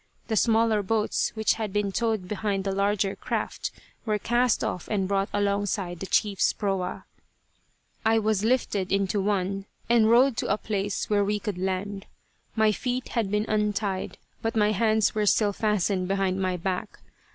The smaller boats which had been towed behind the larger craft were cast off and brought alongside the chief's proa. I was lifted into one and rowed to a place where we could land. My feet had been untied, but my hands were still fastened behind my back.